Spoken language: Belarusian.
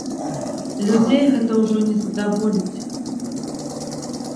Людзей гэта ўжо не задаволіць.